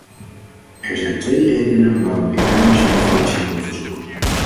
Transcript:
Er zijn twee redenen waarom ik namens mijn fractie hierom verzoek.